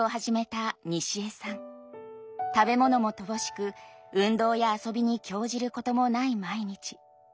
食べ物も乏しく運動や遊びに興じることもない毎日。